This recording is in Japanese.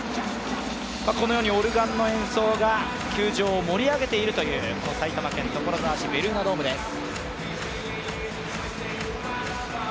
このようにオルガンの演奏が球場を盛り上げているという埼玉県所沢市、ベルーナドームです。